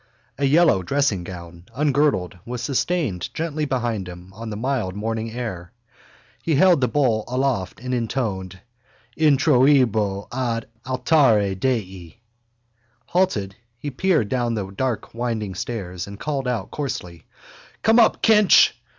A yellow dressinggown, ungirdled, was sustained gently behind him on the mild morning air. He held the bowl aloft and intoned: —Introibo ad altare Dei. Halted, he peered down the dark winding stairs and called out coarsely: —Come up, Kinch!